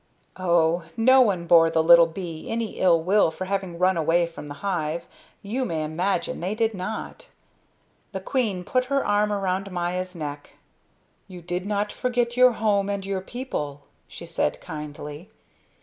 Oh, no one bore the little bee any ill will for having run away from the hive. You may imagine they did not. The queen put her arm round Maya's neck. "You did not forget your home and your people," she said kindly.